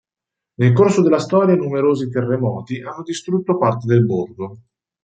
Nel corso della storia numerosi terremoti hanno distrutto parte del borgo.